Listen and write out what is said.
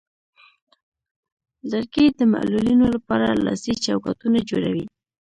لرګی د معلولینو لپاره لاسي چوکاټونه جوړوي.